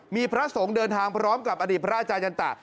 มีพระสงฆ์เดินทางพร้อมกับอดีตพระอาจารยันตะ